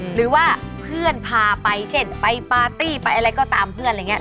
หรือว่าเพื่อนพาไปเช่นไปปาร์ตี้ไปอะไรก็ตามเพื่อนอะไรอย่างนี้